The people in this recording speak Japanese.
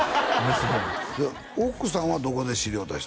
娘は奥さんはどこで知り合うた人？